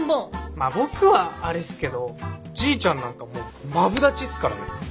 まあ僕はあれっすけどじいちゃんなんかマブダチっすからね。